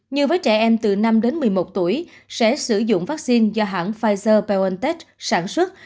như với trẻ em từ năm đến một mươi một tuổi sẽ sử dụng vaccine do hãng pfizer biontech sản xuất